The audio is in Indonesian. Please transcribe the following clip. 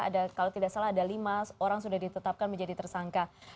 ada kalau tidak salah ada lima orang sudah ditetapkan menjadi tersangka